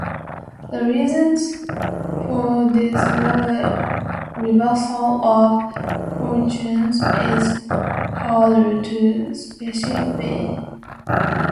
The reason for this reversal of fortune is harder to specify.